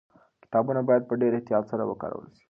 کتابونه باید په ډېر احتیاط سره وکارول سي.